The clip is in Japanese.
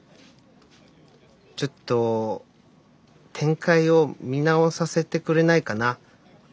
ちょっと展開を見直させてくれないかな？